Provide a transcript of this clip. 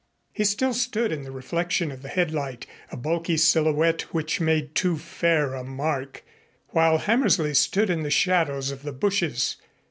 He still stood in the reflection of the headlight, a bulky silhouette, which made too fair a mark, while Hammersley stood in the shadows of the bushes.